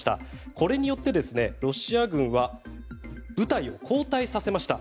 これによってロシア軍は部隊を後退させました。